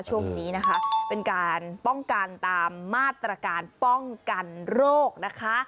ช่วงนี้นะคะเป็นการป้องกันตามมาตรการป้องกันโรคนะคะ